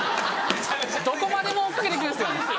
どこまでも追っ掛けて来るんですよ。